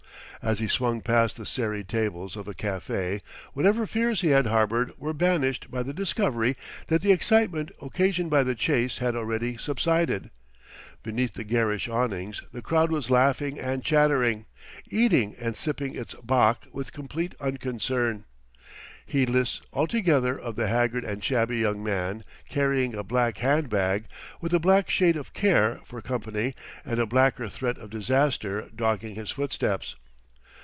As he swung past the serried tables of a café, whatever fears he had harbored were banished by the discovery that the excitement occasioned by the chase had already subsided. Beneath the garish awnings the crowd was laughing and chattering, eating and sipping its bock with complete unconcern, heedless altogether of the haggard and shabby young man carrying a black hand bag, with the black Shade of Care for company and a blacker threat of disaster dogging his footsteps.